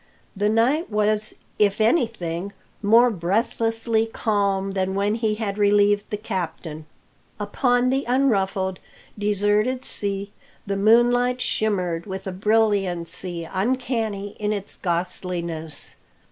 The night was, if anything, more breathlessly calm than when he had relieved the captain. Upon the unruffled, deserted sea the moonlight shimmered with a brilliancy uncanny in its ghostliness.